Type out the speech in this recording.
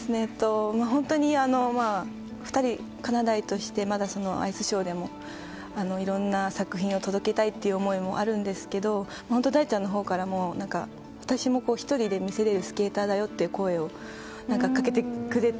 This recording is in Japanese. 本当に２人、かなだいとしてまだアイスショーでもいろんな作品を届けたいという思いもあるんですが大ちゃんのほうからも私も１人で見せれるスケーターだよっていう声をかけてくれて。